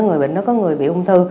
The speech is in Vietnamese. người bệnh đó có người bị ung thư